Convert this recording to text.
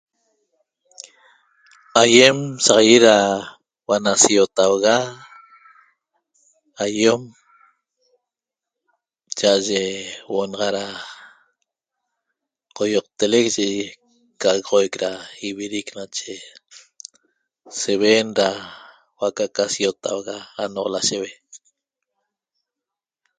Aiem saxagui ra huo'o na siotauga aiom cha'aye huo'o naxa ra qoioqtelec ye ca'agoxoic ra ivirec nache seuen da huo'o aca'aca da siotauga na anoq lasheue